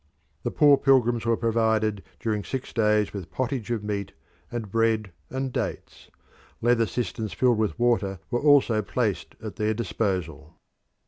The poor pilgrims were provided during six days with pottage of meat and bread and dates; leather cisterns filled with water were also placed at their disposal.